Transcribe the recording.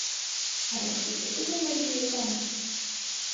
Адакше кӧ тугай Мария Ивановна?